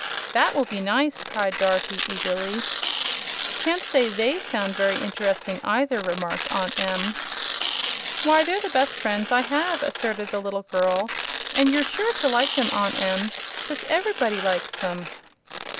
"That will be nice!" cried Dorothy, eagerly. "Can't say THEY sound very interesting, either," remarked Aunt Em. "Why, they're the best friends I have!" asserted the little girl, "and you're sure to like them, Aunt Em, 'cause EVER'body likes them."